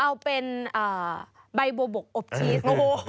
เอาเป็นใบบัวบกอบชีส